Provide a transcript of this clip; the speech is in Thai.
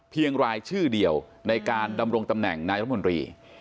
รายชื่อเดียวในการดำรงตำแหน่งนายรัฐมนตรี